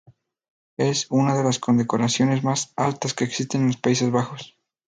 Es una de les condecoraciones más altas que existen en los Países Bajos.